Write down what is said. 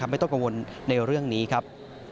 ไม่ต้องกังวลในเรื่องนี้ครับ